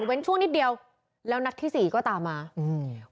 เว้นช่วงนิดเดียวแล้วนัดที่สี่ก็ตามมาอืม